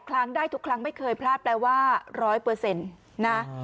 ครั้งได้ทุกครั้งไม่เคยพลาดแปลว่า๑๐๐นะ